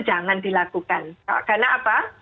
jangan dilakukan karena apa